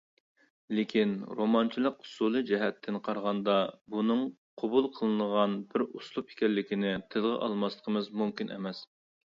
لېكىن رومانچىلىق ئۇسۇلى جەھەتتىن قارىغاندا بۇنىڭ قوبۇل قىلىنغان بىر ئۇسلۇب ئىكەنلىكىنى تىلغا ئالماسلىقىمىز مۇمكىن ئەمەس.